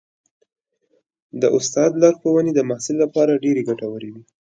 د استاد لارښوونې د محصل لپاره ډېرې ګټورې وي.